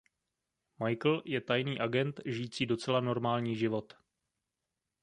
Michael je tajný agent žijící docela normální život.